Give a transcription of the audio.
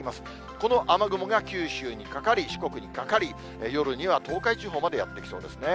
この雨雲が九州にかかり、四国にかかり、夜には東海地方までやって来そうですね。